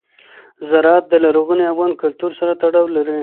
زراعت د لرغوني افغان کلتور سره تړاو لري.